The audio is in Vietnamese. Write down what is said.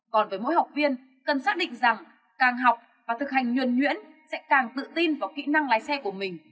còn với mỗi học viên cần xác định rằng càng học và thực hành nhuẩn nhuyễn sẽ càng tự tin vào kỹ năng lái xe của mình